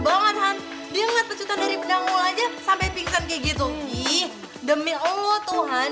banget han dia ngeliat pecutan dari benangmu aja sampai pingsan kayak gitu nih demi allah tuhan